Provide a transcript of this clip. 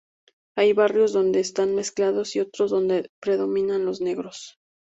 Hay barrios donde están mezclados y otros donde predominan los negros.